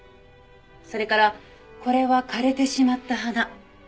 それからこれは枯れてしまった花。